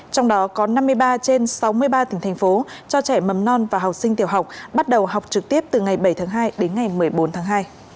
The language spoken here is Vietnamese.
trong đó có năm mươi ba trên sáu mươi ba tỉnh thành phố cho trẻ mầm non và học sinh tiểu học bắt đầu học trực tiếp từ ngày bảy tháng hai đến ngày một mươi bốn tháng hai